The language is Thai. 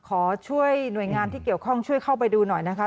ขอช่วยหน่วยงานที่เกี่ยวข้องช่วยเข้าไปดูหน่อยนะคะ